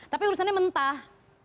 tapi urusannya mentah